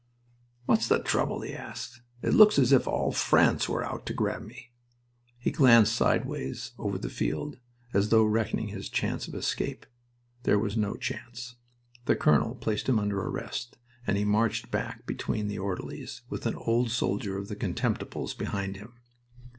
"What's the trouble?" he asked. "It looks as if all France were out to grab me." He glanced sideways over the field, as though reckoning his chance of escape. There was no chance. The colonel placed him under arrest and he marched back between the orderlies, with an old soldier of the Contemptibles behind him.